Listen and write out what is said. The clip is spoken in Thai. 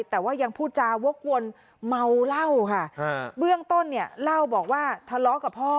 แต่ว่ายังพูดจาวกวนเมาเหล้าค่ะเบื้องต้นเนี่ยเล่าบอกว่าทะเลาะกับพ่อ